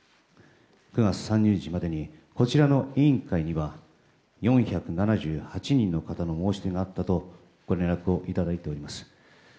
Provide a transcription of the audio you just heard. ９月３０日までにこちらの委員会には４７８人の方の申し出があったとご連絡をいただいております。